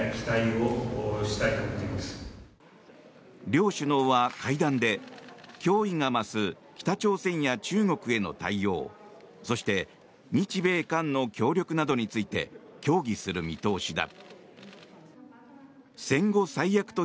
両首脳は会談で脅威が増す北朝鮮や中国への対応そして日米韓の協力などについて協議する見通しだ。